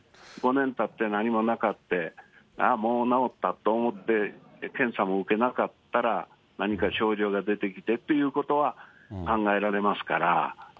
５年たって何もなかって、ああ、もう治ったと思って、検査も受けなかったら、何か症状が出てきてということは考えられますから。